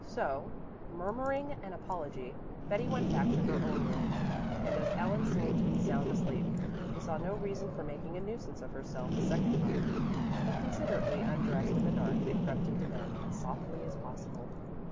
So, murmuring an apology, Betty went back to her own room, and as Helen seemed to be sound asleep, she saw no reason for making a nuisance of herself a second time, but considerately undressed in the dark and crept into bed as softly as possible.